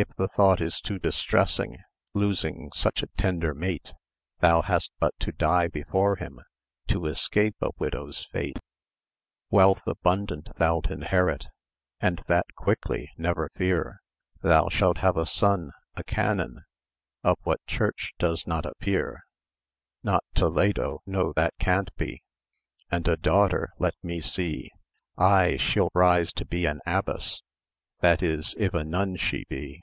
If the thought is too distressing, Losing such a tender mate, Thou hast but to die before him, To escape a widow's fate. Wealth abundant thou'lt inherit, And that quickly, never fear: Thou shalt have a son, a canon, —Of what church does not appear; Not Toledo; no, that can't be; And a daughter—let me see— Ay, she'll rise to be an abbess; —That is, if a nun she be.